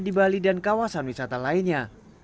di bali dan kawasan wisata lainnya